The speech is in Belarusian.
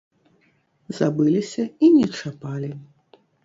Забыліся і не чапалі.